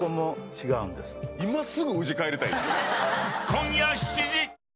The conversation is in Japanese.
今夜７時。